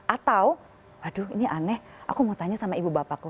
atau aduh ini aneh aku mau tanya sama ibu bapakku